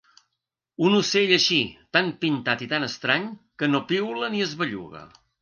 -Un ocell així, tan pintat i tan estrany, que no piula ni es belluga…